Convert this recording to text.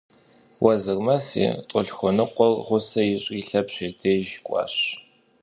Уэзырмэс и тӏолъхуэныкъуэр гъусэ ищӏри Лъэпщ и деж кӏуащ.